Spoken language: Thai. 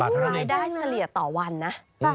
รายได้เฉลี่ยต่อวันนะ